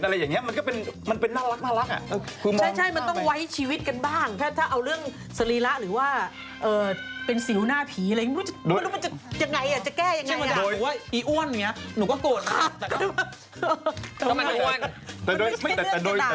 ใครอ่ะคนอ้วนเราก็มีเมื่อ